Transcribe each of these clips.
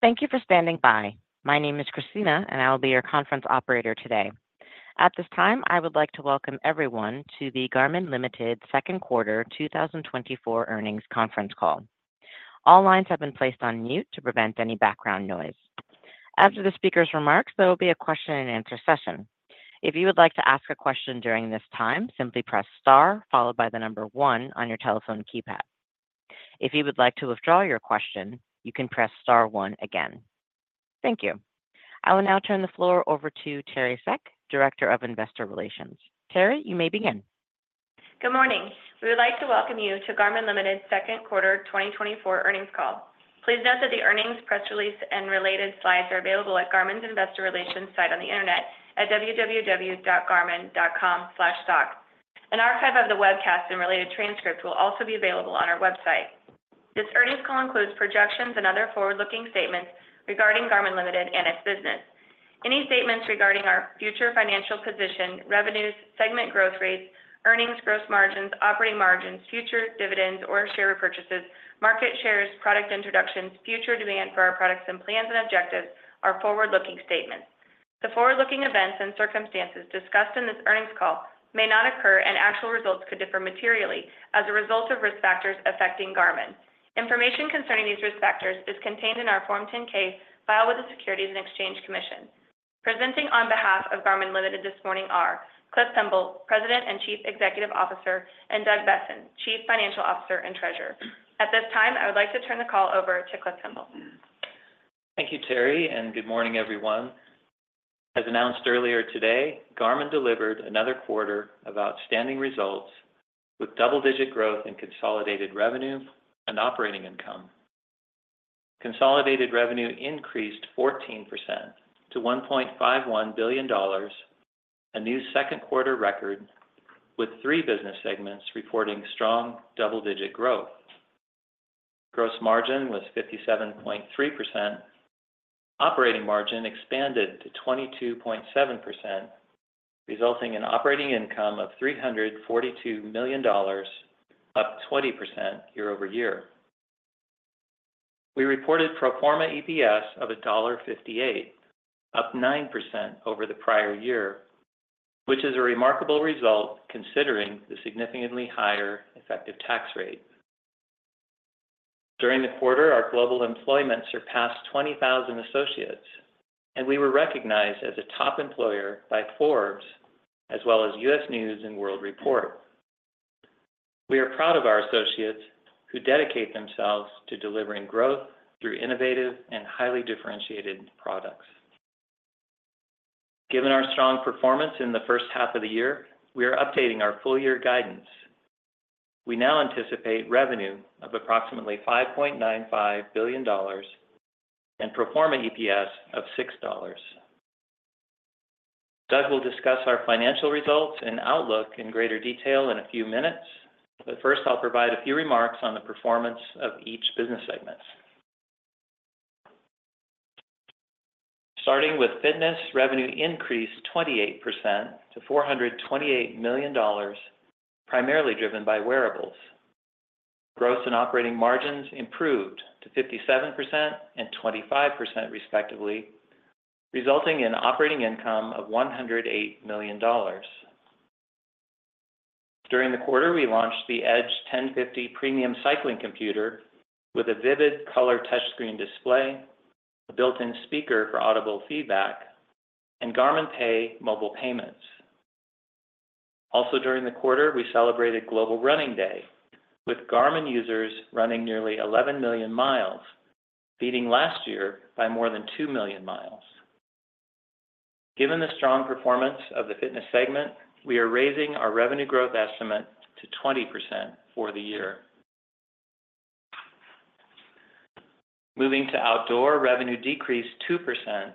Thank you for standing by. My name is Christina, and I'll be your conference operator today. At this time, I would like to welcome everyone to the Garmin Ltd. Second Quarter 2024 Earnings Conference Call. All lines have been placed on mute to prevent any background noise. After the speaker's remarks, there will be a question-and-answer session. If you would like to ask a question during this time, simply press star followed by the number one on your telephone keypad. If you would like to withdraw your question, you can press star one again. Thank you. I will now turn the floor over to Teri Seck, Director of Investor Relations. Teri, you may begin. Good morning. We would like to welcome you to Garmin Ltd.'s Second Quarter 2024 Earnings Call. Please note that the earnings, press release, and related slides are available at Garmin's Investor Relations site on the internet at www.garmin.com/doc. An archive of the webcast and related transcripts will also be available on our website. This earnings call includes projections and other forward-looking statements regarding Garmin Ltd. and its business. Any statements regarding our future financial position, revenues, segment growth rates, earnings, gross margins, operating margins, future dividends or share repurchases, market shares, product introductions, future demand for our products, and plans and objectives are forward-looking statements. The forward-looking events and circumstances discussed in this earnings call may not occur, and actual results could differ materially as a result of risk factors affecting Garmin. Information concerning these risk factors is contained in our Form 10-K filed with the U.S. Securities and Exchange Commission. Presenting on behalf of Garmin Ltd. this morning are Cliff Pemble, President and Chief Executive Officer, and Doug Boessen, Chief Financial Officer and Treasurer. At this time, I would like to turn the call over to Cliff Pemble. Thank you, Teri, and good morning, everyone. As announced earlier today, Garmin delivered another quarter of outstanding results with double-digit growth in consolidated revenue and operating income. Consolidated revenue increased 14% to $1.51 billion, a new second quarter record, with three business segments reporting strong double-digit growth. Gross margin was 57.3%. Operating margin expanded to 22.7%, resulting in operating income of $342 million, up 20% year-over-year. We reported pro forma EPS of $1.58, up 9% over the prior year, which is a remarkable result considering the significantly higher effective tax rate. During the quarter, our global employment surpassed 20,000 associates, and we were recognized as a top employer by Forbes as well as U.S. News & World Report. We are proud of our associates who dedicate themselves to delivering growth through innovative and highly differentiated products. Given our strong performance in the first half of the year, we are updating our full-year guidance. We now anticipate revenue of approximately $5.95 billion and pro forma EPS of $6. Doug will discuss our financial results and outlook in greater detail in a few minutes, but first, I'll provide a few remarks on the performance of each business segment. Starting with fitness, revenue increased 28% to $428 million, primarily driven by wearables. Gross and operating margins improved to 57% and 25%, respectively, resulting in operating income of $108 million. During the quarter, we launched the Edge 1050 Premium Cycling Computer with a vivid color touchscreen display, a built-in speaker for audible feedback, and Garmin Pay mobile payments. Also, during the quarter, we celebrated Global Running Day with Garmin users running nearly 11 million miles, beating last year by more than 2 million miles. Given the strong performance of the fitness segment, we are raising our revenue growth estimate to 20% for the year. Moving to outdoor, revenue decreased 2%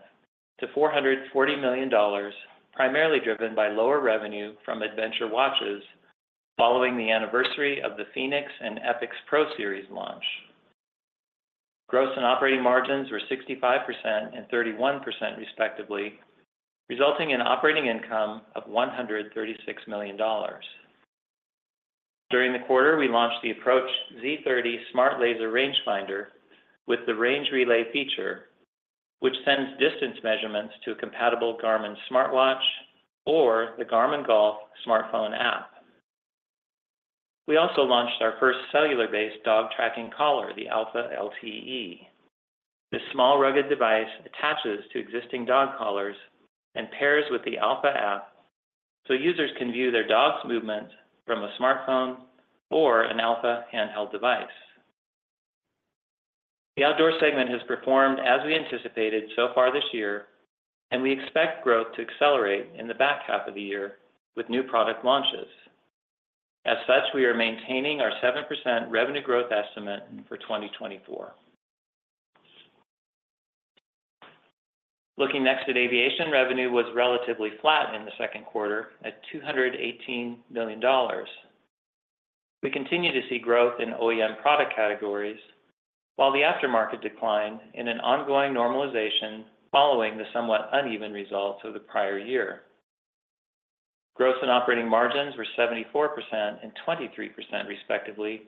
to $440 million, primarily driven by lower revenue from adventure watches following the anniversary of the fēnix and epix Pro series launch. Gross and operating margins were 65% and 31%, respectively, resulting in operating income of $136 million. During the quarter, we launched the Approach Z30 Smart Laser Range Finder with the Range Relay feature, which sends distance measurements to a compatible Garmin smartwatch or the Garmin Golf smartphone app. We also launched our first cellular-based dog tracking collar, the Alpha LTE. This small, rugged device attaches to existing dog collars and pairs with the Alpha App, so users can view their dog's movements from a smartphone or an Alpha Handheld device. The outdoor segment has performed as we anticipated so far this year, and we expect growth to accelerate in the back half of the year with new product launches. As such, we are maintaining our 7% revenue growth estimate for 2024. Looking next at aviation, revenue was relatively flat in the second quarter at $218 million. We continue to see growth in OEM product categories, while the aftermarket declined in an ongoing normalization following the somewhat uneven results of the prior year. Gross and operating margins were 74% and 23%, respectively,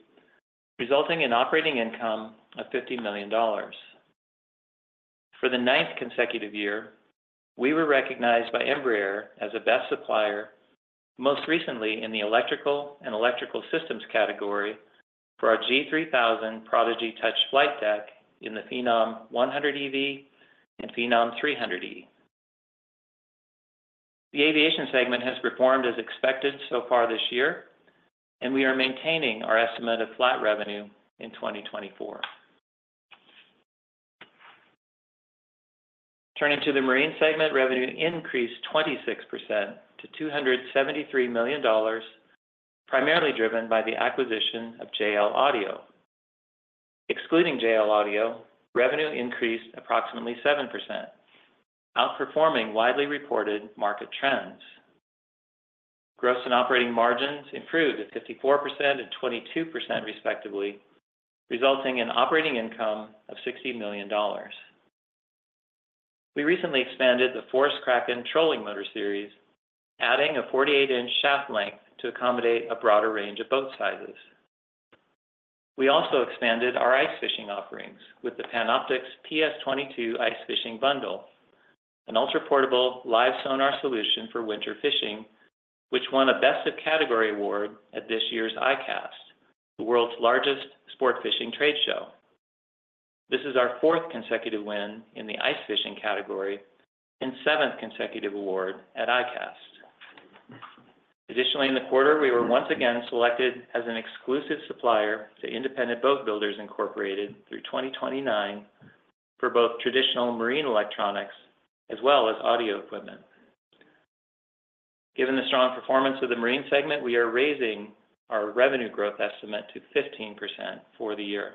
resulting in operating income of $50 million. For the ninth consecutive year, we were recognized by Embraer as a best supplier, most recently in the electrical and electrical systems category for our G3000 Prodigy Touch flight deck in the Phenom 100EV and Phenom 300E. The aviation segment has performed as expected so far this year, and we are maintaining our estimate of flat revenue in 2024. Turning to the marine segment, revenue increased 26% to $273 million, primarily driven by the acquisition of JL Audio. Excluding JL Audio, revenue increased approximately 7%, outperforming widely reported market trends. Gross and operating margins improved to 54% and 22%, respectively, resulting in operating income of $60 million. We recently expanded the Force Kraken trolling motor series, adding a 48-inch shaft length to accommodate a broader range of boat sizes. We also expanded our ice fishing offerings with the Panoptix PS22 ice fishing bundle, an ultra-portable live sonar solution for winter fishing, which won a Best of Category award at this year's ICAST, the world's largest sport fishing trade show. This is our fourth consecutive win in the ice fishing category and seventh consecutive award at ICAST. Additionally, in the quarter, we were once again selected as an exclusive supplier to Independent Boat Builders Incorporated through 2029 for both traditional marine electronics as well as audio equipment. Given the strong performance of the marine segment, we are raising our revenue growth estimate to 15% for the year.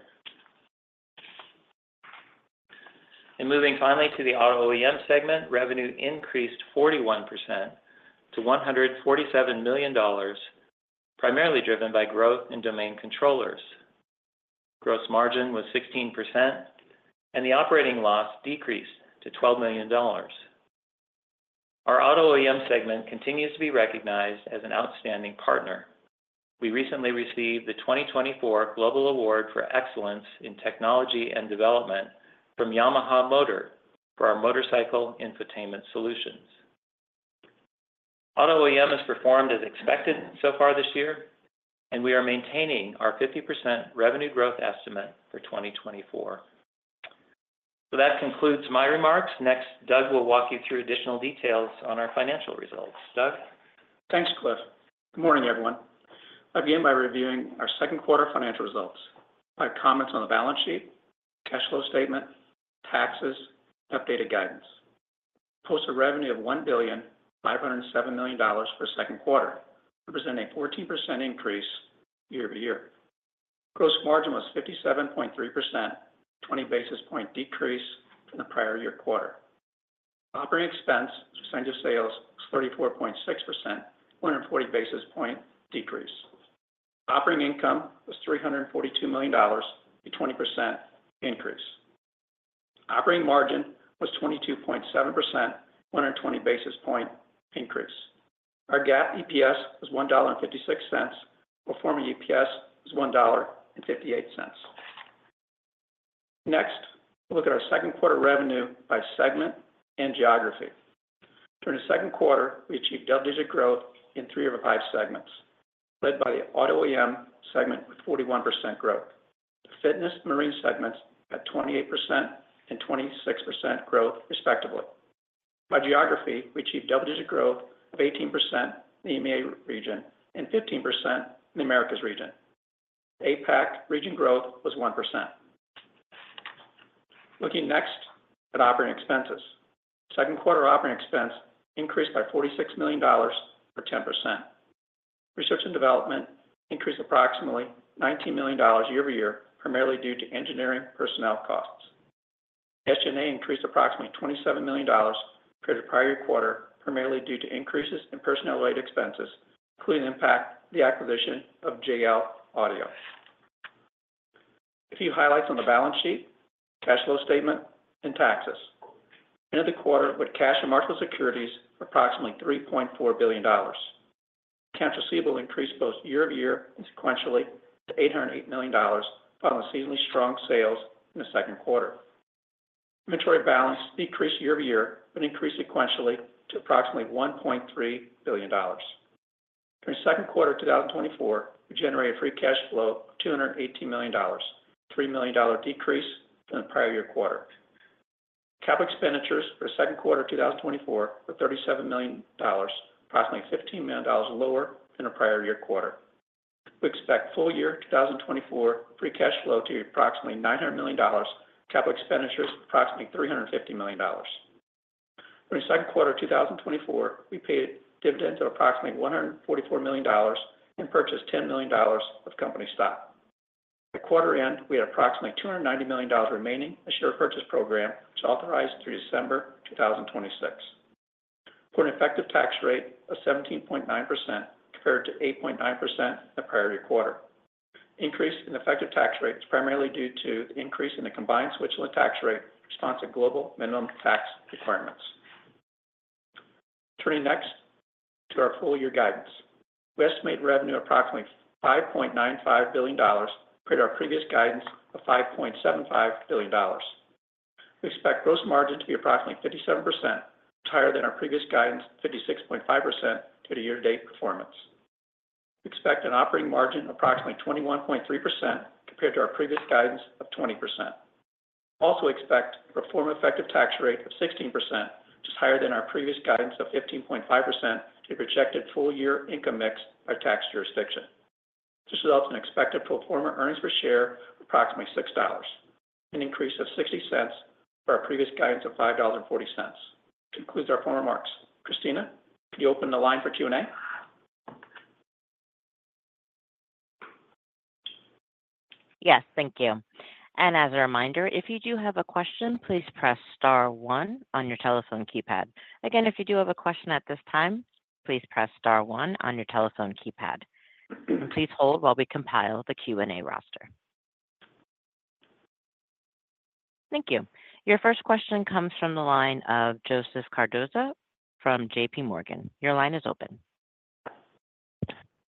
Moving finally to the auto OEM segment, revenue increased 41% to $147 million, primarily driven by growth in domain controllers. Gross margin was 16%, and the operating loss decreased to $12 million. Our auto OEM segment continues to be recognized as an outstanding partner. We recently received the 2024 Global Award for Excellence in Technology and Development from Yamaha Motor for our motorcycle infotainment solutions. Auto OEM has performed as expected so far this year, and we are maintaining our 50% revenue growth estimate for 2024. That concludes my remarks. Next, Doug will walk you through additional details on our financial results. Doug? Thanks, Cliff. Good morning, everyone. I'll begin by reviewing our second quarter financial results with comments on the balance sheet, cash flow statement, taxes, and updated guidance. We posted revenue of $1.507 billion for the second quarter, representing a 14% increase year-over-year. Gross margin was 57.3%, a 20 basis points decrease from the prior year quarter. Operating expenses as a percentage of sales was 34.6%, a 140 basis points decrease. Operating income was $342 million, a 20% increase. Operating margin was 22.7%, a 120 basis points increase. Our GAAP EPS was $1.56, and pro forma EPS was $1.58. Next, we'll look at our second quarter revenue by segment and geography. During the second quarter, we achieved double-digit growth in three of the five segments, led by the auto OEM segment with 41% growth. The fitness and marine segments had 28% and 26% growth, respectively. By geography, we achieved double-digit growth of 18% in the EMEA region and 15% in the Americas region. APAC region growth was 1%. Looking next at operating expenses, second quarter operating expense increased by $46 million or 10%. Research and development increased approximately $19 million year-over-year, primarily due to engineering personnel costs. SG&A increased approximately $27 million compared to prior quarter, primarily due to increases in personnel-related expenses, including the impact of the acquisition of JL Audio. A few highlights on the balance sheet, cash flow statement, and taxes. End of the quarter, we had cash and marketable securities for approximately $3.4 billion. Accounts receivable increased both year-over-year and sequentially to $808 million following seasonally strong sales in the second quarter. Inventory balance decreased year-over-year but increased sequentially to approximately $1.3 billion. During the second quarter of 2024, we generated free cash flow of $218 million, a $3 million decrease from the prior year quarter. Capital expenditures for the second quarter of 2024 were $37 million, approximately $15 million lower than the prior year quarter. We expect full year 2024 free cash flow to be approximately $900 million, capital expenditures approximately $350 million. During the second quarter of 2024, we paid dividends of approximately $144 million and purchased $10 million of company stock. At quarter end, we had approximately $290 million remaining in the share purchase program, which authorized through December 2026. With an effective tax rate of 17.9% compared to 8.9% in the prior year quarter. The increase in effective tax rate is primarily due to the increase in the combined Swiss income tax rate in response to global minimum tax requirements. Turning next to our full-year guidance, we estimate revenue approximately $5.95 billion compared to our previous guidance of $5.75 billion. We expect gross margin to be approximately 57%, higher than our previous guidance of 56.5% due to year-to-date performance. We expect an operating margin of approximately 21.3% compared to our previous guidance of 20%. Also expect a pro forma effective tax rate of 16%, which is higher than our previous guidance of 15.5% due to projected full-year income mix by tax jurisdiction. This results in expected pro forma earnings per share of approximately $6, an increase of $0.60 from our previous guidance of $5.40. That concludes our formal remarks. Christina, can you open the line for Q&A? Yes, thank you. As a reminder, if you do have a question, please press star one on your telephone keypad. Again, if you do have a question at this time, please press star one on your telephone keypad. Please hold while we compile the Q&A roster. Thank you. Your first question comes from the line of Joseph Cardoso from JPMorgan. Your line is open.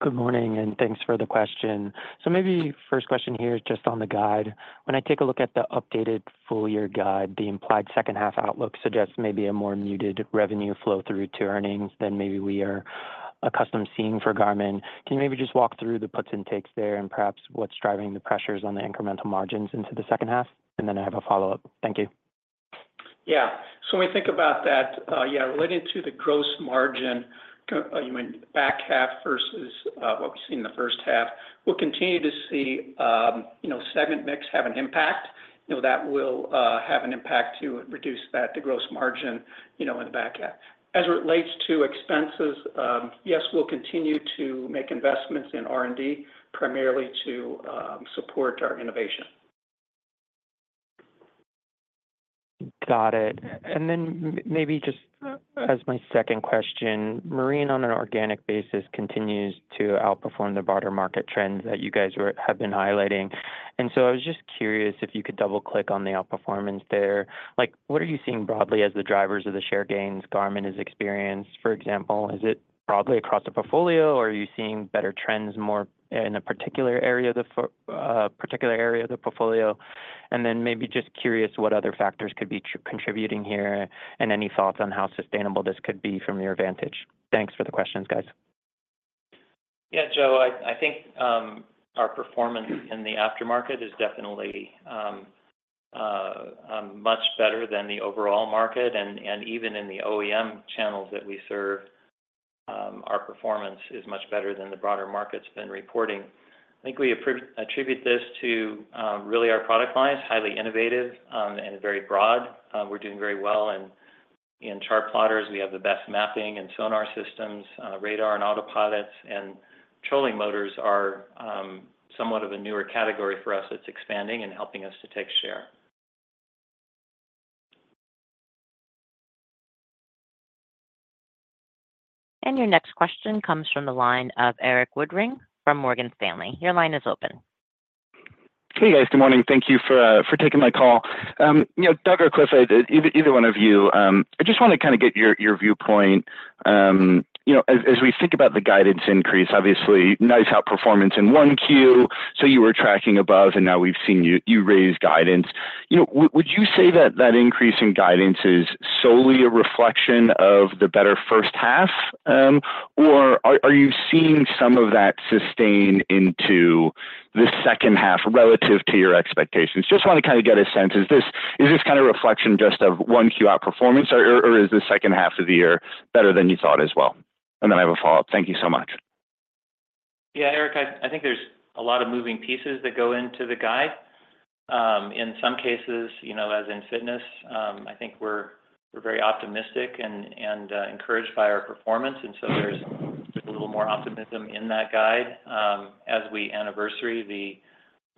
Good morning, and thanks for the question. So maybe first question here is just on the guide. When I take a look at the updated full-year guide, the implied second half outlook suggests maybe a more muted revenue flow through to earnings than maybe we are accustomed seeing for Garmin. Can you maybe just walk through the puts and takes there and perhaps what's driving the pressures on the incremental margins into the second half? And then I have a follow-up. Thank you. Yeah. So when we think about that, yeah, relating to the gross margin, you mean back half versus what we see in the first half, we'll continue to see segment mix have an impact. That will have an impact to reduce the gross margin in the back half. As it relates to expenses, yes, we'll continue to make investments in R&D, primarily to support our innovation. Got it. And then maybe just as my second question, marine on an organic basis continues to outperform the broader market trends that you guys have been highlighting. And so I was just curious if you could double-click on the outperformance there. What are you seeing broadly as the drivers of the share gains Garmin has experienced? For example, is it broadly across the portfolio, or are you seeing better trends more in a particular area of the portfolio? And then maybe just curious what other factors could be contributing here and any thoughts on how sustainable this could be from your vantage? Thanks for the questions, guys. Yeah, Joe, I think our performance in the aftermarket is definitely much better than the overall market. And even in the OEM channels that we serve, our performance is much better than the broader market's been reporting. I think we attribute this to really our product lines, highly innovative and very broad. We're doing very well in chartplotters. We have the best mapping and sonar systems, radar and autopilots, and trolling motors are somewhat of a newer category for us that's expanding and helping us to take share. Your next question comes from the line of Eric Woodring from Morgan Stanley. Your line is open. Hey, guys. Good morning. Thank you for taking my call. Doug or Cliff, either one of you, I just want to kind of get your viewpoint. As we think about the guidance increase, obviously, nice outperformance in 1Q. So you were tracking above, and now we've seen you raise guidance. Would you say that that increase in guidance is solely a reflection of the better first half, or are you seeing some of that sustain into the second half relative to your expectations? Just want to kind of get a sense. Is this kind of reflection just of 1Q outperformance, or is the second half of the year better than you thought as well? And then I have a follow-up. Thank you so much. Yeah, Eric, I think there's a lot of moving pieces that go into the guide. In some cases, as in fitness, I think we're very optimistic and encouraged by our performance. And so there's a little more optimism in that guide as we anniversary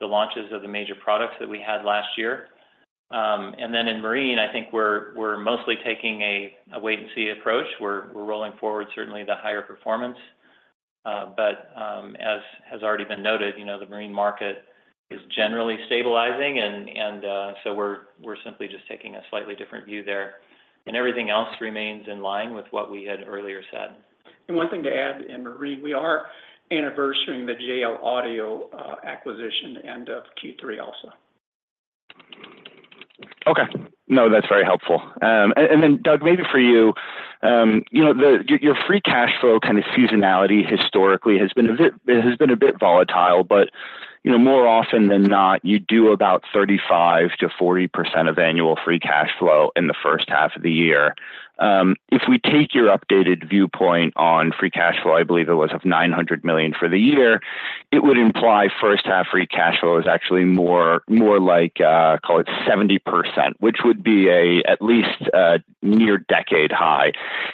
the launches of the major products that we had last year. And then in marine, I think we're mostly taking a wait-and-see approach. We're rolling forward, certainly, the higher performance. But as has already been noted, the marine market is generally stabilizing, and so we're simply just taking a slightly different view there. And everything else remains in line with what we had earlier said. One thing to add in marine, we are anniversarying the JL Audio acquisition end of Q3 also. Okay. No, that's very helpful. Then, Doug, maybe for you, your free cash flow kind of seasonality historically has been a bit volatile, but more often than not, you do about 35%-40% of annual free cash flow in the first half of the year. If we take your updated viewpoint on free cash flow, I believe it was of $900 million for the year, it would imply first half free cash flow is actually more like, call it 70%, which would be at least a near decade high.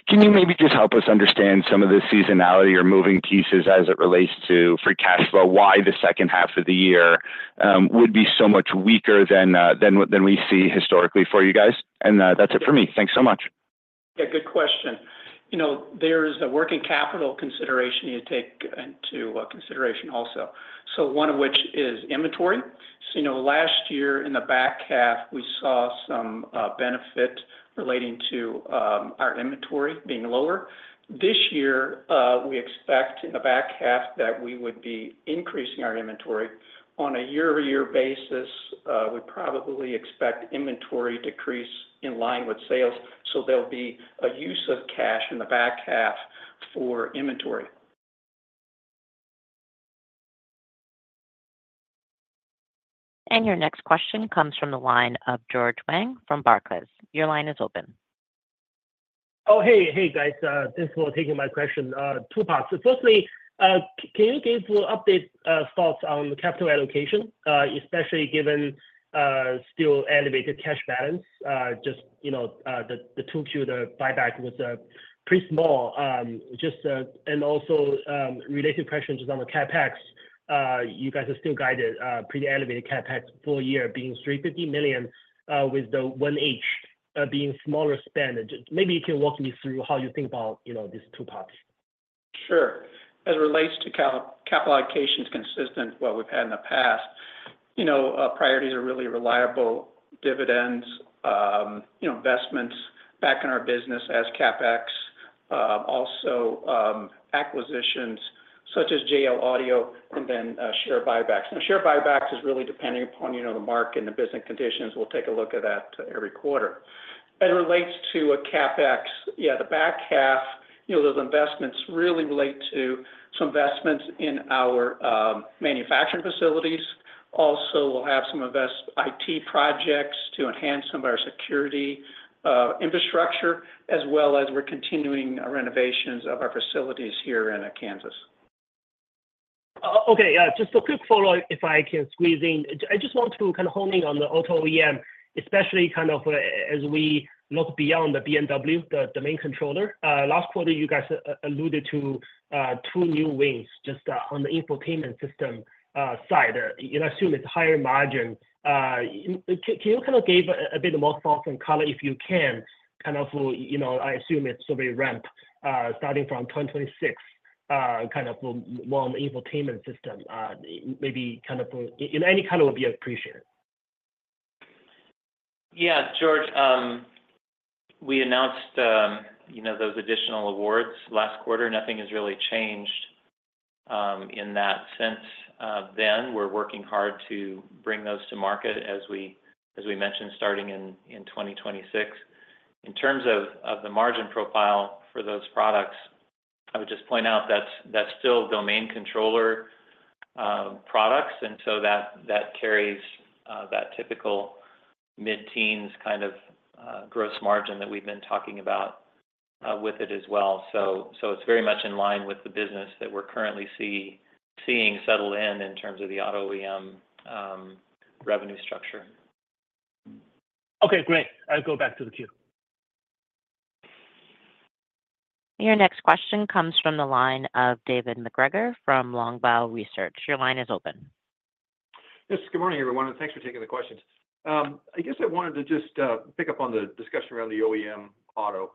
Can you maybe just help us understand some of the seasonality or moving pieces as it relates to free cash flow, why the second half of the year would be so much weaker than we see historically for you guys? That's it for me. Thanks so much. Yeah, good question. There is a working capital consideration you take into consideration also. So one of which is inventory. So last year in the back half, we saw some benefit relating to our inventory being lower. This year, we expect in the back half that we would be increasing our inventory. On a year-over-year basis, we probably expect inventory decrease in line with sales. So there'll be a use of cash in the back half for inventory. Your next question comes from the line of George Wang from Barclays. Your line is open. Oh, hey, hey, guys. Thanks for taking my question. Two parts. Firstly, can you give updated thoughts on capital allocation, especially given still elevated cash balance? Just the 2Q, the buyback was pretty small. And also related questions on the CapEx, you guys are still guided, pretty elevated CapEx full year being $350 million with the 1H being smaller spend. Maybe you can walk me through how you think about these two parts. Sure. As it relates to capital allocation is consistent with what we've had in the past. Priorities are really reliable dividends, investments back in our business as CapEx, also acquisitions such as JL Audio and then share buybacks. Now, share buybacks is really depending upon the market and the business conditions. We'll take a look at that every quarter. As it relates to CapEx, yeah, the back half, those investments really relate to some investments in our manufacturing facilities. Also, we'll have some IT projects to enhance some of our security infrastructure, as well as we're continuing renovations of our facilities here in Kansas. Okay. Just a quick follow-up, if I can squeeze in. I just want to kind of hone in on the auto OEM, especially kind of as we look beyond the BMW, the domain controller. Last quarter, you guys alluded to two new wins just on the infotainment system side. I assume it's higher margin. Can you kind of give a bit more thoughts and color, if you can, kind of I assume it's very ramp starting from 2026, kind of on the infotainment system, maybe kind of in any color would be appreciated. Yeah, George, we announced those additional awards last quarter. Nothing has really changed in that since then. We're working hard to bring those to market, as we mentioned, starting in 2026. In terms of the margin profile for those products, I would just point out that's still domain controller products. And so that carries that typical mid-teens kind of gross margin that we've been talking about with it as well. So it's very much in line with the business that we're currently seeing settle in in terms of the auto OEM revenue structure. Okay, great. I'll go back to the queue. Your next question comes from the line of David MacGregor from Longbow Research. Your line is open. Yes, good morning, everyone. Thanks for taking the questions. I guess I wanted to just pick up on the discussion around the OEM auto.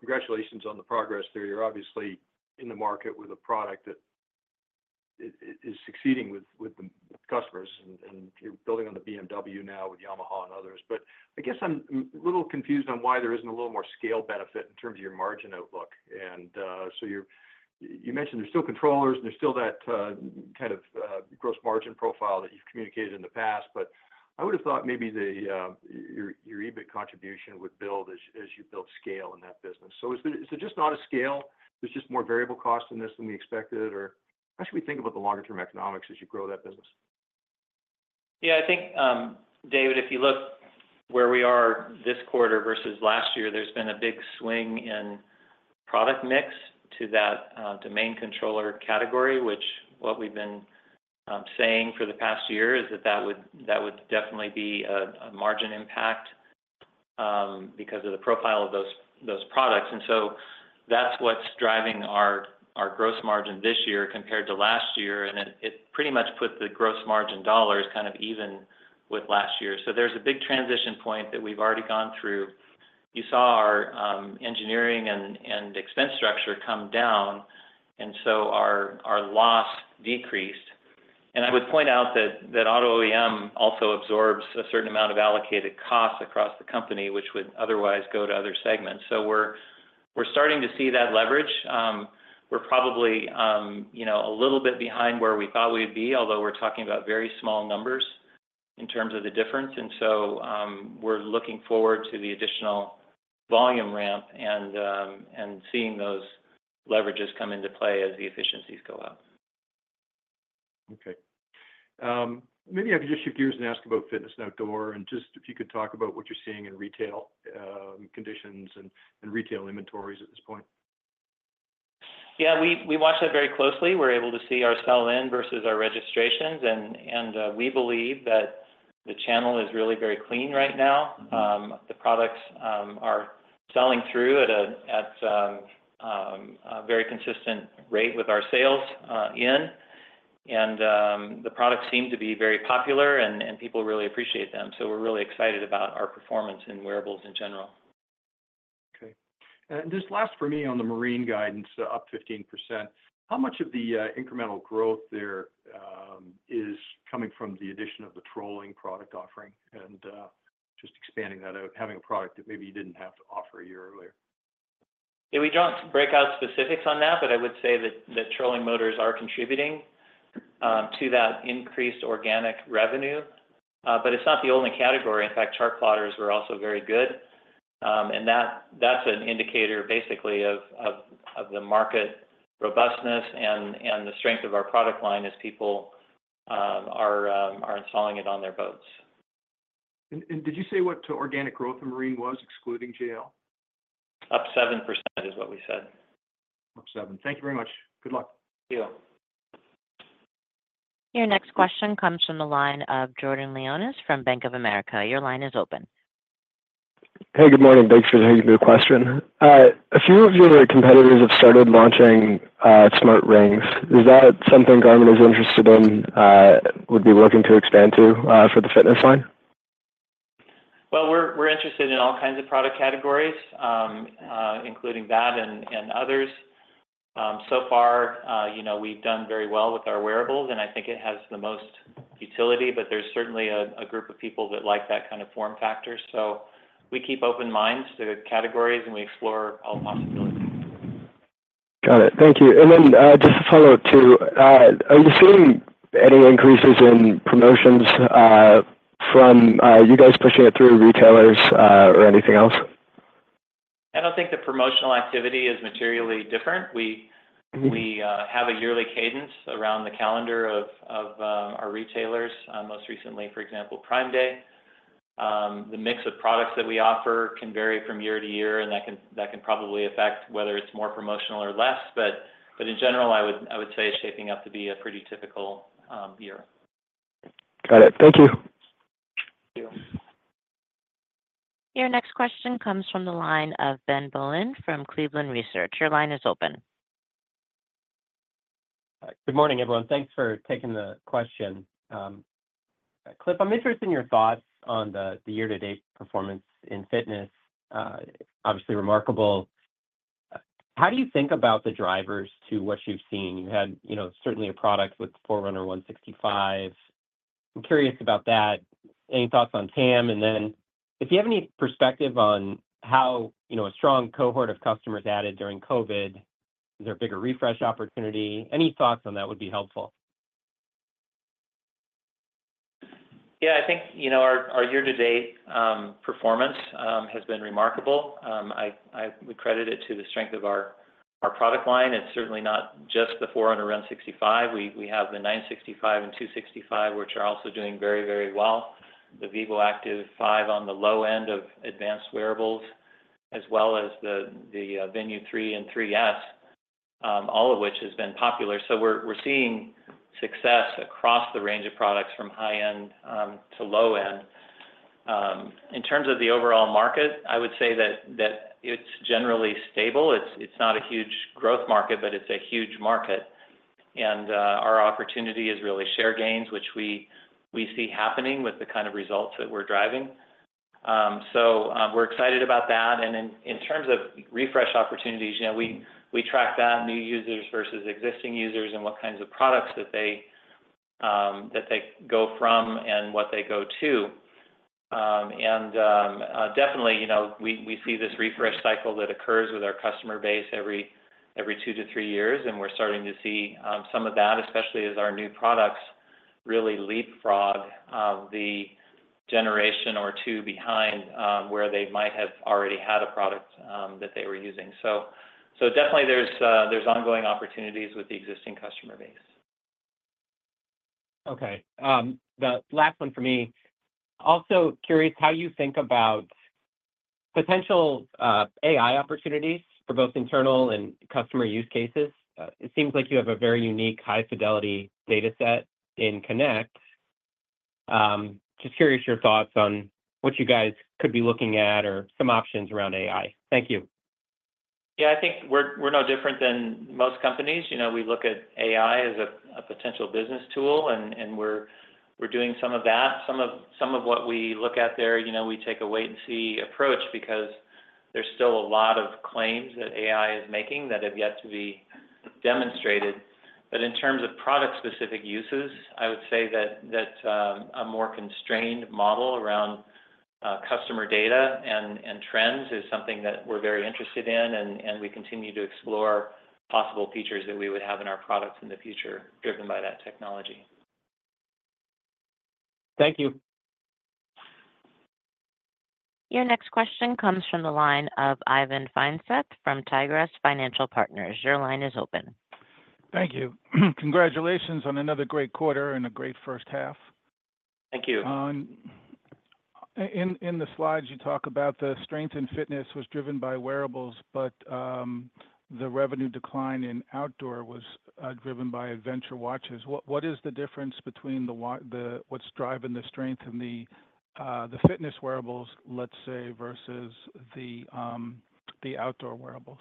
Congratulations on the progress there. You're obviously in the market with a product that is succeeding with the customers, and you're building on the BMW now with Yamaha and others. But I guess I'm a little confused on why there isn't a little more scale benefit in terms of your margin outlook. So you mentioned there's still controllers, and there's still that kind of gross margin profile that you've communicated in the past, but I would have thought maybe your EBIT contribution would build as you build scale in that business. So is there just not a scale? There's just more variable cost in this than we expected, or how should we think about the longer-term economics as you grow that business? Yeah, I think, David, if you look where we are this quarter versus last year, there's been a big swing in product mix to that domain controller category, which what we've been saying for the past year is that that would definitely be a margin impact because of the profile of those products. And so that's what's driving our gross margin this year compared to last year. And it pretty much put the gross margin dollars kind of even with last year. So there's a big transition point that we've already gone through. You saw our engineering and expense structure come down, and so our loss decreased. And I would point out that auto OEM also absorbs a certain amount of allocated costs across the company, which would otherwise go to other segments. So we're starting to see that leverage. We're probably a little bit behind where we thought we would be, although we're talking about very small numbers in terms of the difference. And so we're looking forward to the additional volume ramp and seeing those leverages come into play as the efficiencies go up. Okay. Maybe I could just shift gears and ask about fitness and outdoor, and just if you could talk about what you're seeing in retail conditions and retail inventories at this point. Yeah, we watch that very closely. We're able to see our sell-in versus our registrations. We believe that the channel is really very clean right now. The products are selling through at a very consistent rate with our sales in. The products seem to be very popular, and people really appreciate them. We're really excited about our performance in wearables in general. Okay. And this last for me on the marine guidance, up 15%. How much of the incremental growth there is coming from the addition of the trolling product offering and just expanding that out, having a product that maybe you didn't have to offer a year earlier? Yeah, we don't break out specifics on that, but I would say that trolling motors are contributing to that increased organic revenue. It's not the only category. In fact, chartplotters were also very good. That's an indicator basically of the market robustness and the strength of our product line as people are installing it on their boats. Did you say what organic growth in marine was, excluding JL? Up 7% is what we said. Up 7%. Thank you very much. Good luck. Thank you. Your next question comes from the line of Jordan Lyonnais from Bank of America. Your line is open. Hey, good morning. Thanks for the question. A few of your competitors have started launching smart rings. Is that something Garmin is interested in, would be looking to expand to for the fitness line? Well, we're interested in all kinds of product categories, including that and others. So far, we've done very well with our wearables, and I think it has the most utility. But there's certainly a group of people that like that kind of form factor. So we keep open minds to the categories, and we explore all possibilities. Got it. Thank you. And then just a follow-up too, are you seeing any increases in promotions from you guys pushing it through retailers or anything else? I don't think the promotional activity is materially different. We have a yearly cadence around the calendar of our retailers. Most recently, for example, Prime Day. The mix of products that we offer can vary from year to year, and that can probably affect whether it's more promotional or less. But in general, I would say it's shaping up to be a pretty typical year. Got it. Thank you. Thank you. Your next question comes from the line of Ben Bollin from Cleveland Research. Your line is open. Good morning, everyone. Thanks for taking the question. Cliff, I'm interested in your thoughts on the year-to-date performance in fitness. Obviously remarkable. How do you think about the drivers to what you've seen? You had certainly a product with Forerunner 165. I'm curious about that. Any thoughts on TAM? And then if you have any perspective on how a strong cohort of customers added during COVID, is there a bigger refresh opportunity? Any thoughts on that would be helpful. Yeah, I think our year-to-date performance has been remarkable. I would credit it to the strength of our product line. It's certainly not just the Forerunner 165. We have the 965 and 265, which are also doing very, very well. The Vivoactive 5 on the low end of advanced wearables, as well as the Venu 3 and 3S, all of which has been popular. So we're seeing success across the range of products from high-end to low-end. In terms of the overall market, I would say that it's generally stable. It's not a huge growth market, but it's a huge market. And our opportunity is really share gains, which we see happening with the kind of results that we're driving. So we're excited about that. In terms of refresh opportunities, we track that new users versus existing users and what kinds of products that they go from and what they go to. Definitely, we see this refresh cycle that occurs with our customer base every two to three years. We're starting to see some of that, especially as our new products really leapfrog the generation or two behind where they might have already had a product that they were using. Definitely, there's ongoing opportunities with the existing customer base. Okay. The last one for me. Also curious how you think about potential AI opportunities for both internal and customer use cases. It seems like you have a very unique high-fidelity dataset in Connect. Just curious your thoughts on what you guys could be looking at or some options around AI. Thank you. Yeah, I think we're no different than most companies. We look at AI as a potential business tool, and we're doing some of that. Some of what we look at there, we take a wait-and-see approach because there's still a lot of claims that AI is making that have yet to be demonstrated. But in terms of product-specific uses, I would say that a more constrained model around customer data and trends is something that we're very interested in, and we continue to explore possible features that we would have in our products in the future driven by that technology. Thank you. Your next question comes from the line of Ivan Feinseth from Tigress Financial Partners. Your line is open. Thank you. Congratulations on another great quarter and a great first half. Thank you. In the slides, you talk about the strength in fitness was driven by wearables, but the revenue decline in outdoor was driven by adventure watches. What is the difference between what's driving the strength in the fitness wearables, let's say, versus the outdoor wearables?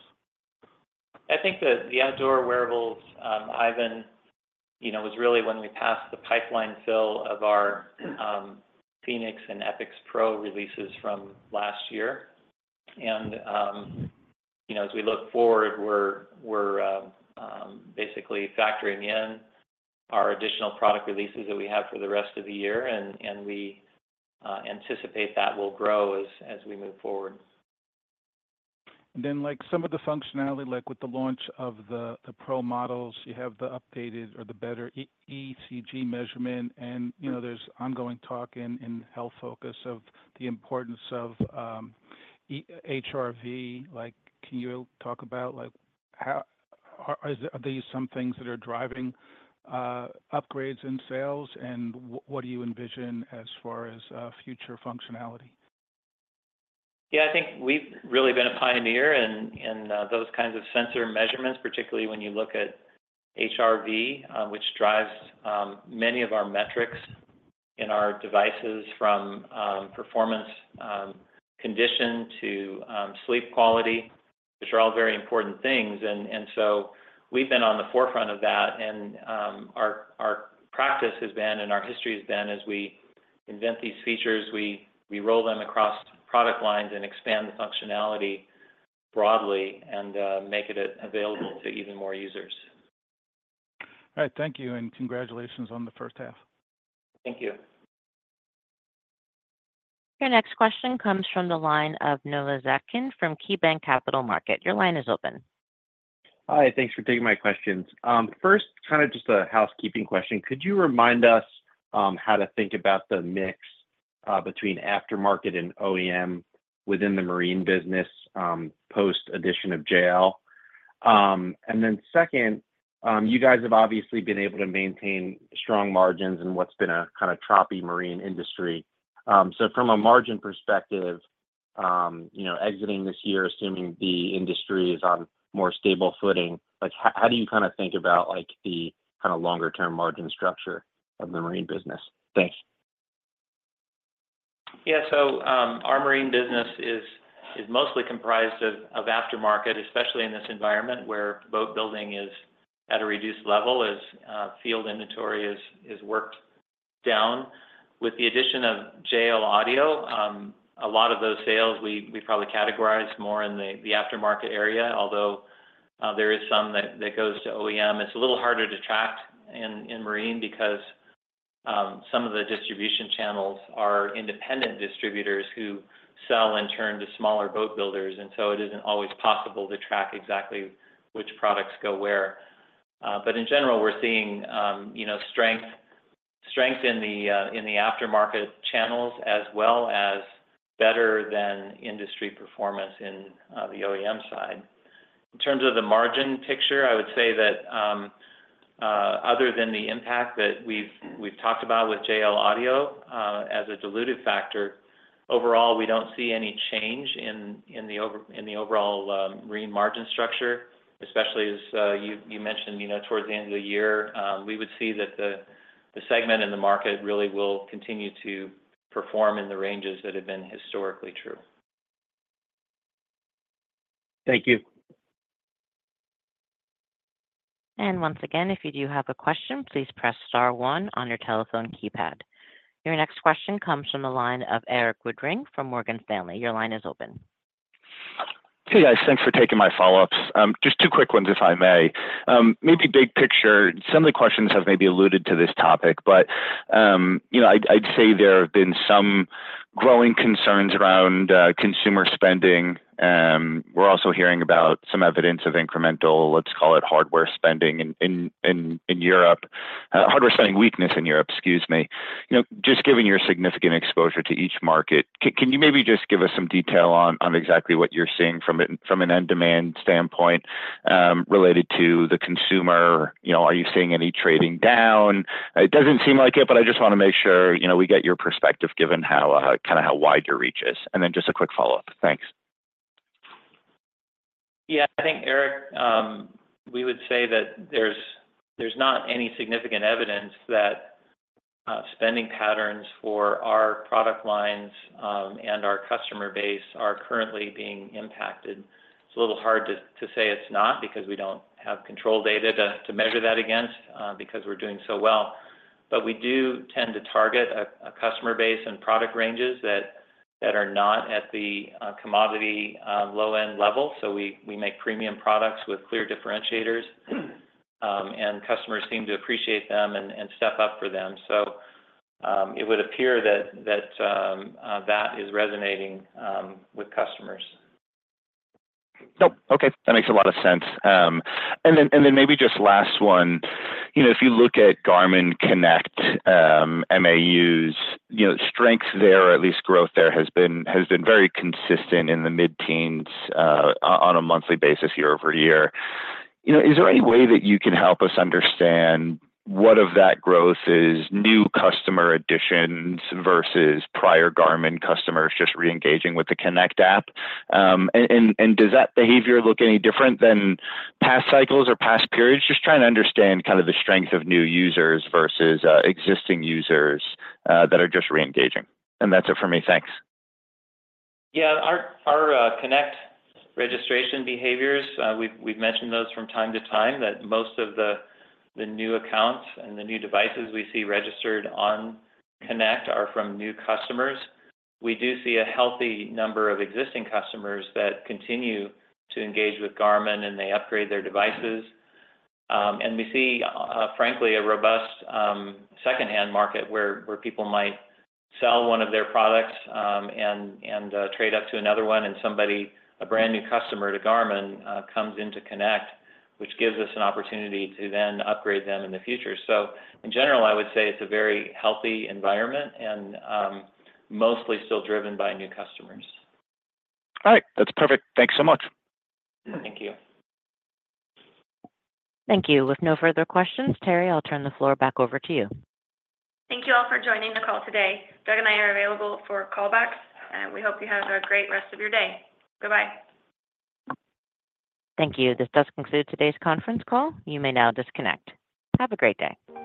I think the outdoor wearables, Ivan, was really when we passed the pipeline fill of our fēnix and epix Pro releases from last year. And as we look forward, we're basically factoring in our additional product releases that we have for the rest of the year, and we anticipate that will grow as we move forward. And then some of the functionality, like with the launch of the Pro models, you have the updated or the better ECG measurement, and there's ongoing talk in health focus of the importance of HRV. Can you talk about are these some things that are driving upgrades in sales, and what do you envision as far as future functionality? Yeah, I think we've really been a pioneer in those kinds of sensor measurements, particularly when you look at HRV, which drives many of our metrics in our devices from performance condition to sleep quality, which are all very important things. And so we've been on the forefront of that. And our practice has been and our history has been as we invent these features, we roll them across product lines and expand the functionality broadly and make it available to even more users. All right. Thank you. Congratulations on the first half. Thank you. Your next question comes from the line of Noah Zatzkin from KeyBanc Capital Markets. Your line is open. Hi. Thanks for taking my questions. First, kind of just a housekeeping question. Could you remind us how to think about the mix between aftermarket and OEM within the marine business post-addition of JL? And then second, you guys have obviously been able to maintain strong margins in what's been a kind of choppy marine industry. So from a margin perspective, exiting this year, assuming the industry is on more stable footing, how do you kind of think about the kind of longer-term margin structure of the marine business? Thanks. Yeah. So our marine business is mostly comprised of aftermarket, especially in this environment where boat building is at a reduced level as field inventory has worked down. With the addition of JL Audio, a lot of those sales we probably categorize more in the aftermarket area, although there is some that goes to OEM. It's a little harder to track in marine because some of the distribution channels are independent distributors who sell in turn to smaller boat builders. And so it isn't always possible to track exactly which products go where. But in general, we're seeing strength in the aftermarket channels as well as better than industry performance in the OEM side. In terms of the margin picture, I would say that other than the impact that we've talked about with JL Audio as a diluted factor, overall, we don't see any change in the overall marine margin structure, especially as you mentioned towards the end of the year. We would see that the segment in the market really will continue to perform in the ranges that have been historically true. Thank you. Once again, if you do have a question, please press star one on your telephone keypad. Your next question comes from the line of Erik Woodring from Morgan Stanley. Your line is open. Hey, guys. Thanks for taking my follow-ups. Just two quick ones, if I may. Maybe big picture, some of the questions have maybe alluded to this topic, but I'd say there have been some growing concerns around consumer spending. We're also hearing about some evidence of incremental, let's call it hardware spending in Europe, hardware spending weakness in Europe, excuse me. Just given your significant exposure to each market, can you maybe just give us some detail on exactly what you're seeing from an end demand standpoint related to the consumer? Are you seeing any trading down? It doesn't seem like it, but I just want to make sure we get your perspective given kind of how wide your reach is. And then just a quick follow-up. Thanks. Yeah. I think, Eric, we would say that there's not any significant evidence that spending patterns for our product lines and our customer base are currently being impacted. It's a little hard to say it's not because we don't have control data to measure that against because we're doing so well. But we do tend to target a customer base and product ranges that are not at the commodity low-end level. So we make premium products with clear differentiators, and customers seem to appreciate them and step up for them. So it would appear that that is resonating with customers. Nope. Okay. That makes a lot of sense. Then maybe just last one. If you look at Garmin Connect MAUs, strength there, at least growth there has been very consistent in the mid-teens on a monthly basis year-over-year. Is there any way that you can help us understand what of that growth is new customer additions versus prior Garmin customers just re-engaging with the Connect app? And does that behavior look any different than past cycles or past periods? Just trying to understand kind of the strength of new users versus existing users that are just re-engaging. And that's it for me. Thanks. Yeah. Our Connect registration behaviors, we've mentioned those from time to time that most of the new accounts and the new devices we see registered on Connect are from new customers. We do see a healthy number of existing customers that continue to engage with Garmin, and they upgrade their devices. And we see, frankly, a robust secondhand market where people might sell one of their products and trade up to another one, and a brand new customer to Garmin comes into Connect, which gives us an opportunity to then upgrade them in the future. So in general, I would say it's a very healthy environment and mostly still driven by new customers. All right. That's perfect. Thanks so much. Thank you. Thank you. With no further questions, Teri, I'll turn the floor back over to you. Thank you all for joining the call today. Doug and I are available for callbacks, and we hope you have a great rest of your day. Goodbye. Thank you. This does conclude today's conference call. You may now disconnect. Have a great day.